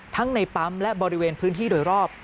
ในปั๊มและบริเวณพื้นที่โดยรอบ